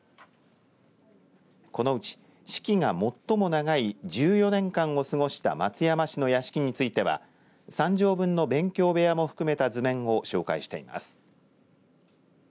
このうち子規が最も長い１４年間を過ごした松山市の屋敷については３畳分の勉強部屋も含めた図面を紹介しています。